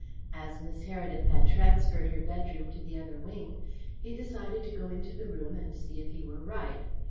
As Miss Heredith had transferred her bedroom to the other wing, he decided to go into the room and see if he were right.